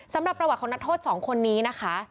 สำหรับประวัติของนักโทษ๒คนนี้นะคะ